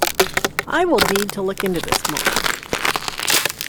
I will need to look into this more...